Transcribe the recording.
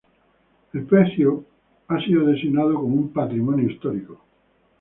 El pecio ha sido designado como un Patrimonio histórico.